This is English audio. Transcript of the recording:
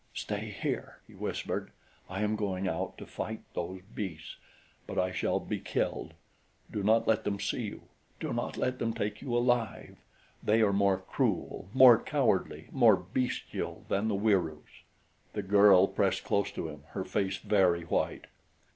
"Stay here," he whispered. "I am going out to fight those beasts; but I shall be killed. Do not let them see you. Do not let them take you alive. They are more cruel, more cowardly, more bestial than the Wieroos." The girl pressed close to him, her face very white.